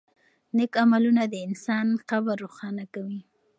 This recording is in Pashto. نېک عملونه د انسان قبر روښانه کوي.